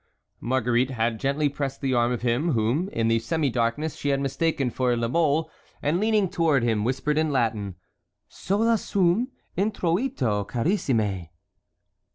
Marguerite had gently pressed the arm of him whom in the semi darkness she had mistaken for La Mole, and leaning toward him whispered in Latin: "Sola sum; introito, carissime."